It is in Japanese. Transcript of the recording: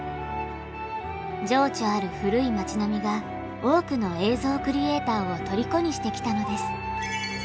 情緒ある古い町並みが多くの映像クリエーターをとりこにしてきたのです。